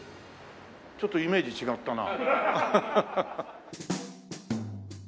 ちょっとイメージ違ったな。